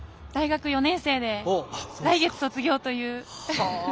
大学４年生で来月、卒業という。